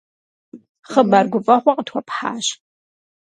Хъыбар гуфӀэгъуэ къытхуэпхьащ.